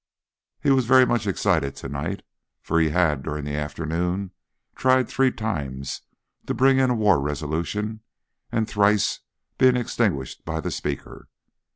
He was very much excited to night, for he had, during the afternoon, tried three times to bring in a war resolution, and thrice been extinguished by the Speaker.